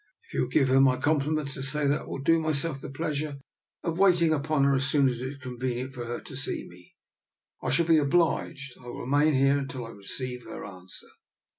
" If you will give her my compliments and say that I will do myself the pleasure of waiting upon her as soon as it is convenient for her to see me, I shall be obliged. I will remain here until I receive her answer."